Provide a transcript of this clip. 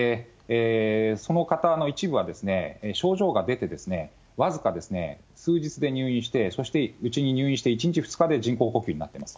その方の一部は、症状が出て、僅か数日で入院して、そしてうちに入院して、１日、２日で人工呼吸になっています。